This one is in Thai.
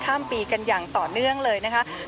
พาคุณผู้ชมไปติดตามบรรยากาศกันที่วัดอรุณราชวรรมหาวิหารค่ะ